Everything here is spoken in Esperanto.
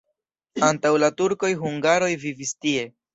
Antaŭ la turkoj hungaroj vivis tie.